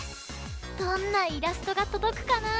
どんなイラストがとどくかな！